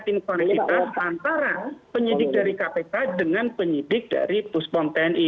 tim koneksitas antara penyidik dari kpk dengan penyidik dari puspom tni